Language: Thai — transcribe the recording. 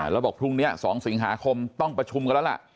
แล้วบอกพรุ่งนี้๒สิงหาคมต้องประชุมกันแล้วล่ะ